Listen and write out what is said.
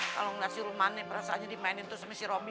kalo ngeliat si rumah anak perasaannya dimainin terus sama si roby